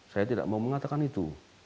saya tidak mau mengatakan itu